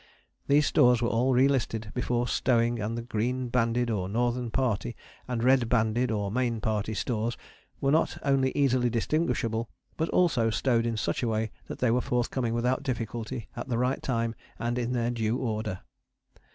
These stores were all relisted before stowing and the green banded or Northern Party and red banded or Main Party stores were not only easily distinguishable, but also stowed in such a way that they were forthcoming without difficulty at the right time and in their due order.